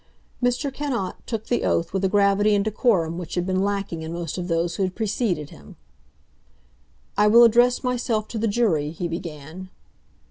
Mr. Cannot took the oath with a gravity and decorum which had been lacking in most of those who had preceded him. "I will address myself to the jury," he began.